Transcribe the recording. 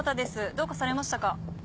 どうかされましたか？